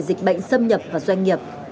dịch bệnh xâm nhập vào doanh nghiệp